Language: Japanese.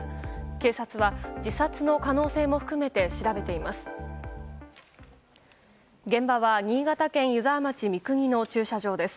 警察は自殺の可能性も含めて調べています。